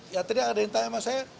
ya tadi ada yang tanya sama saya